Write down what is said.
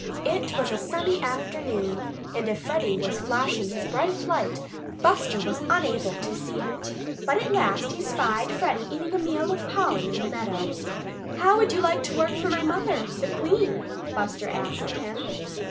It was a sunny afternoon; and if Freddie was flashing his bright light, Buster was unable to see it. But at last he spied Freddie eating a meal of pollen in the meadow. "How would you like to work for my mother, the Queen?" Buster asked him.